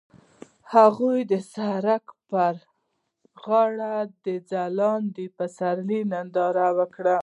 هغوی د سړک پر غاړه د ځلانده پسرلی ننداره وکړه.